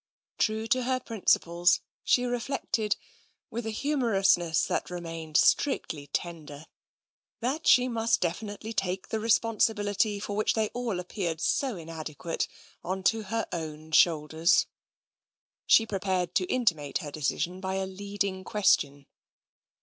True to her principles, she reflected, with a humorousness that re mained strictly tender, that she must definitely take the responsibility for which they all appeared so inadequate onto her own shoulders. She prepared to intimate her decision by a leading question.